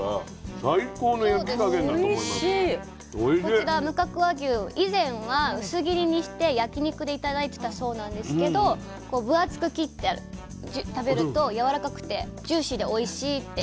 こちら無角和牛以前は薄切りにして焼き肉で頂いてたそうなんですけどこう分厚く切って食べるとやわらかくてジューシーでおいしいって。